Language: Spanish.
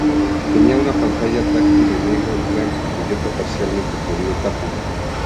Tenía una pantalla táctil en negro y blanco, cubierta parcialmente por una tapa.